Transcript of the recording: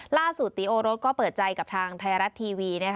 ล่าสุดตีโอโรดก็เปิดใจกับทางไทยรัฐทีวี